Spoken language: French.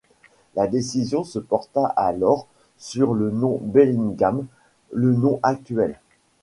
La décision se porta alors sur le nom Bellingham, le nom actuel.